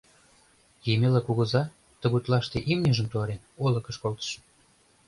Емела кугыза, тыгутлаште имньыжым туарен, олыкыш колтыш.